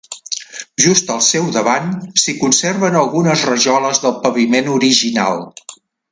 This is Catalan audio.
Just al seu davant, s'hi conserven algunes rajoles del paviment original.